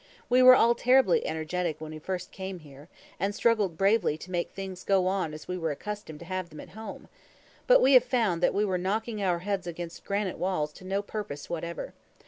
We were all terribly energetic when we first came here, and struggled bravely to make things go on as we were accustomed to have them at home, but we have found that we were knocking our heads against granite walls to no purpose whatever.